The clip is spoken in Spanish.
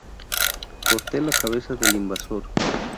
Corte la cabeza del invasor.